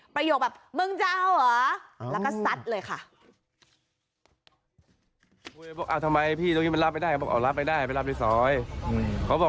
ประโยคแบบมึงจะเอาเหรอแล้วก็ซัดเลยค่ะ